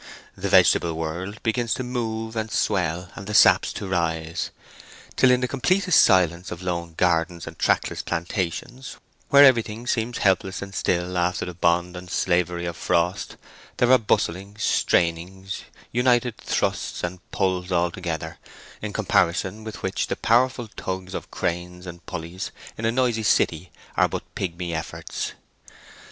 The vegetable world begins to move and swell and the saps to rise, till in the completest silence of lone gardens and trackless plantations, where everything seems helpless and still after the bond and slavery of frost, there are bustlings, strainings, united thrusts, and pulls all together, in comparison with which the powerful tugs of cranes and pulleys in a noisy city are but pigmy efforts.